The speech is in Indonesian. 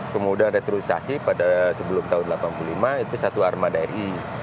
kemudian returisasi pada sebelum tahun seribu sembilan ratus delapan puluh lima itu satu armada ri